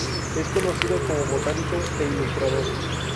Es conocido como botánico e ilustrador.